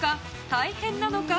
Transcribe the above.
大変なのか？